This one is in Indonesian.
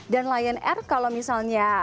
dan lion air kalau misalnya